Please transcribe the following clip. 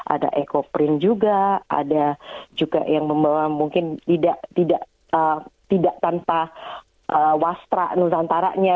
ada eco print juga ada juga yang mungkin tidak tanpa waspang santaranya